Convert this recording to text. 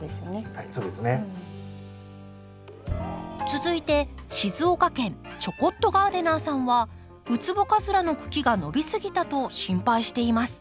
続いて静岡県ちょこっとガーデナーさんはウツボカズラの茎が伸びすぎたと心配しています。